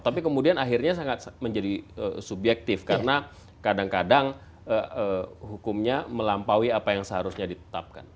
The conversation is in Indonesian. tapi kemudian akhirnya sangat menjadi subjektif karena kadang kadang hukumnya melampaui apa yang seharusnya ditetapkan